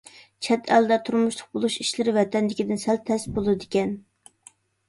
چەت ئەلدە تۇرمۇشلۇق بولۇش ئىشلىرى ۋەتەندىكىدىن سەل تەس بولىدىكەن.